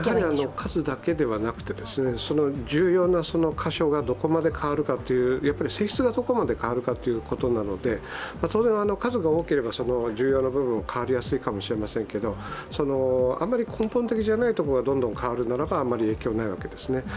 数だけではなくて、重要な箇所がどこまで変わるか、性質がどこまで変わるかということなので、当然、数が多ければ重要な部分変わりやすいかもしれませんけどあんまり根本的なところがどんどん変わるならば、あまり影響はないわけですね。